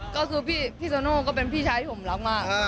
ก็คือพี่โตโน่ก็เป็นพี่ชายที่ผมรักมาก